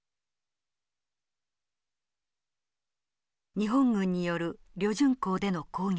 日本軍による旅順港での攻撃。